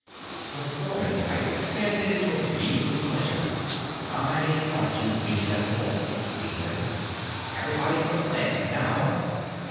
The foreman type expanded into a beam of pleasure. "I thought you'd be sensible," he said. "Everybody to the plant, now!"